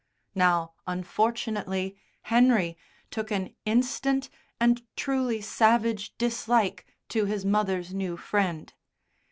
Now unfortunately Henry took an instant and truly savage dislike to his mother's new friend.